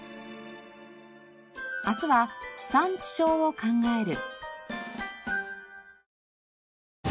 明日は地産地消を考える。